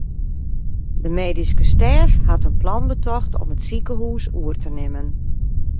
De medyske stêf hat in plan betocht om it sikehûs oer te nimmen.